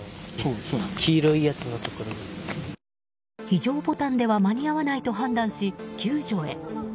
非常ボタンでは間に合わないと判断し、救助へ。